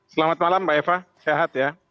selamat malam mbak eva sehat ya